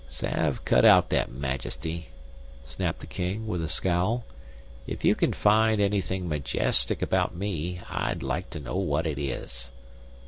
"Sav, cut out that Majesty," snapped the King, with a scowl. "If you can find anything majestic about me, I'd like to know what it is."